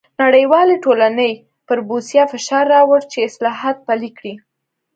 نړیوالې ټولنې پر بوسیا فشار راووړ چې اصلاحات پلي کړي.